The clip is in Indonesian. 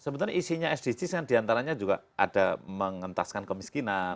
sebetulnya isinya sdgs yang diantaranya juga ada mengentaskan kemiskinan